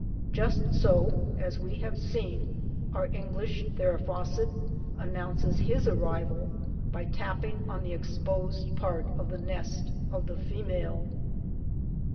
Just so, as we have seen, our English Theraphosid announces his arrival by tapping on the exposed part of the nest of the female.